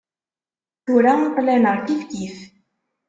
Tura aql-aneɣ kifkif.